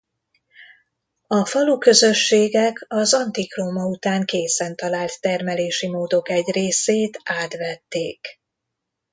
A faluközösségek az antik Róma után készen talált termelési módok egy részét átvették.